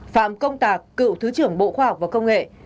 phạm công tạc cựu thứ trưởng bộ khoa học và công nghệ